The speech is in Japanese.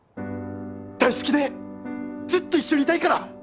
大好きでずっと一緒にいたいから。